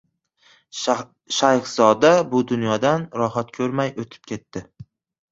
Shayxzoda bu dunyodan rohat ko‘rmay o‘tib ketdi.